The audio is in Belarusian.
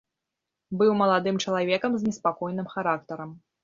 Быў маладым чалавекам з неспакойным характарам.